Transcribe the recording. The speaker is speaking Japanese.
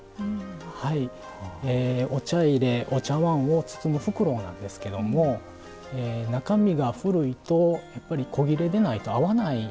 お茶入れお茶わんを包む袋なんですけども中身が古いとやっぱり古裂でないと合わないんですよね。